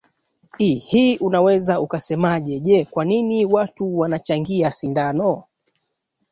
i hii unaweza ukasemaje je kwa nini watu wanachangia sindano